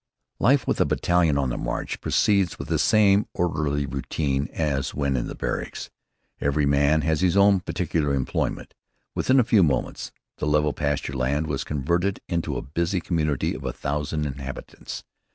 Life with a battalion on the march proceeds with the same orderly routine as when in barracks. Every man has his own particular employment. Within a few moments, the level pasture land was converted into a busy community of a thousand inhabitants.